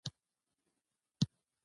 سیکهانو مرستې ته منتظر ول.